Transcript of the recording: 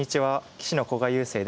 棋士の古賀悠聖です。